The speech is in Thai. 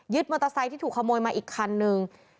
มอเตอร์ไซค์ที่ถูกขโมยมาอีกคันนึง